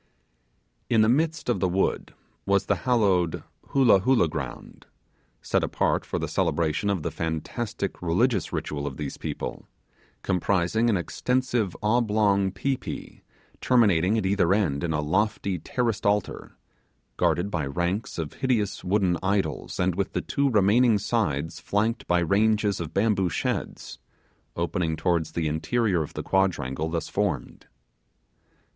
In the midst of the wood was the hallowed 'Hoolah Hoolah' ground set apart for the celebration of the fantastical religious ritual of these people comprising an extensive oblong pi pi, terminating at either end in a lofty terraced altar, guarded by ranks of hideous wooden idols, and with the two remaining sides flanked by ranges of bamboo sheds, opening towards the interior of the quadrangle thus formed.